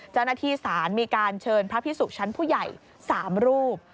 เจ้าหน้าที่ศาลมีการเชิญพระพิสุชั้นผู้ใหญ่๓รูป